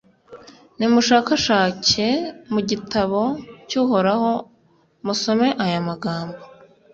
Nimushakashake mu gitabo cy’Uhoraho, musome aya magambo :